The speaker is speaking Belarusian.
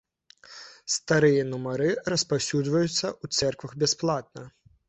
Старыя нумары распаўсюджваюцца ў цэрквах бясплатна.